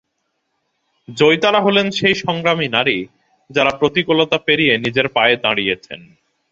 জয়িতারা হলেন সেই সংগ্রামী নারী, যাঁরা প্রতিকূলতা পেরিয়ে নিজের পায়ে দাঁড়িয়েছেন।